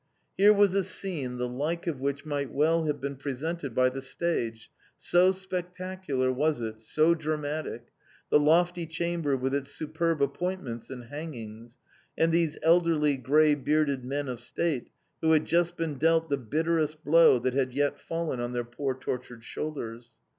Here was a scene the like of which might well have been presented by the stage, so spectacular was it, so dramatic the lofty chamber with its superb appointments and hangings, and these elderly, grey bearded men of state who had just been dealt the bitterest blow that had yet fallen on their poor tortured shoulders.